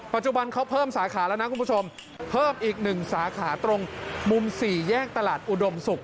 ปัจจุบันเขาเพิ่มสาขาแล้วนะคุณผู้ชมเพิ่มอีก๑สาขาตรงมุม๔แยกตลาดอุดมศุกร์